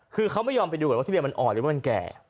คือเขาไม่ยอมไปดูก่อนว่าทุเรียนมันอ่อนหรือว่ามันแก่